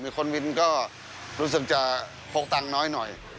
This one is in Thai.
มีคนวินก็รู้สึกจะพกตังค์น้อย